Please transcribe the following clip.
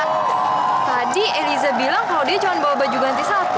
tadi eliza bilang kalau dia cuma bawa baju ganti satu